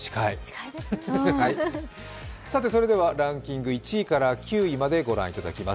ランキング１位から９位までご覧いただきます。